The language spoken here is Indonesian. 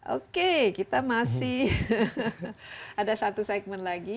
oke kita masih ada satu segmen lagi